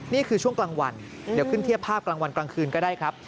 นี่คือช่วงกลางวันเดี๋ยวขึ้นเทียบภาพกลางวันกลางคืนก็ได้ครับ